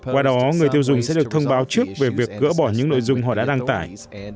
qua đó người tiêu dùng sẽ được thông báo trước về việc gỡ bỏ những nội dung họ đã đăng tải